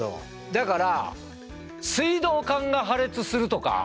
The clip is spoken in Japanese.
だから水道管が破裂するとか。